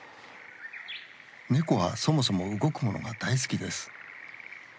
ネコはそもそも動くものが大好きです。